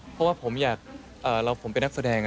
เพราะว่าผมอยากเราผมเป็นนักแสดง